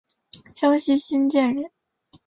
江西新建人。